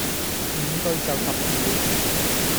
五句就十秒